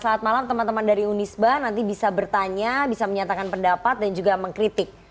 saat malam teman teman dari unisba nanti bisa bertanya bisa menyatakan pendapat dan juga mengkritik